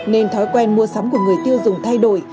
nên thói quen mua sắm của người tiêu dùng thay đổi